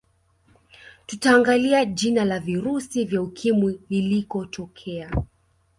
tutaangalia jina la virusi vya ukimwi liliko tokea